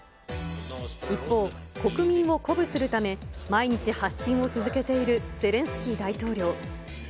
一方、国民を鼓舞するため、毎日発信を続けているゼレンスキー大統領。